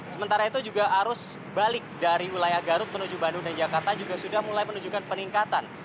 sementara itu juga arus balik dari wilayah garut menuju bandung dan jakarta juga sudah mulai menunjukkan peningkatan